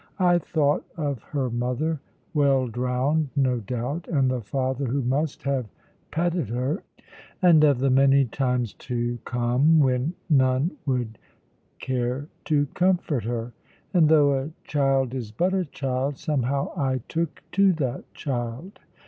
I thought of her mother, well drowned, no doubt, and the father who must have petted her, and of the many times to come when none would care to comfort her. And though a child is but a child, somehow I took to that child.